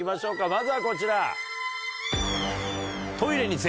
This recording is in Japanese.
まずはこちら。